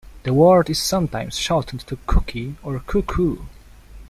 The word is sometimes shortened to "cookie" or "coo-koo".